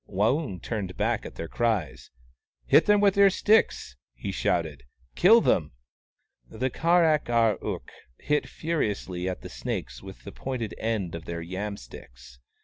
Waung turned back at their cries. " Hit them with your sticks !" he shouted. " Kill them." The Kar ak ar ook hit furiously at the snakes with the pointed end of their yam sticks.